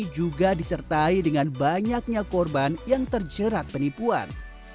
juga disertai dengan banyaknya korban yang terjerat penipuan